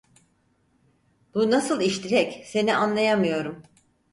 Bu nasıl iş Dilek, seni anlayamıyorum…